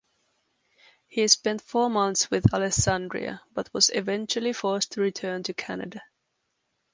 He spent four months with Alessandria but was eventually forced to return to Canada.